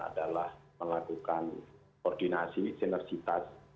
adalah melakukan koordinasi sinersitas